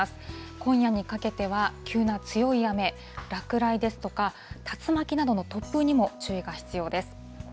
今夜にかけては、急な強い雨、落雷ですとか竜巻などの突風にも注意が必要です。